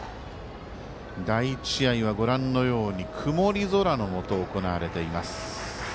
第１試合はご覧のように曇り空のもと行われています。